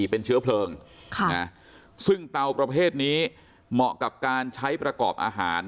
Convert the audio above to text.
เป็นเชื้อเพลิงซึ่งเตาประเภทนี้เหมาะกับการใช้ประกอบอาหาร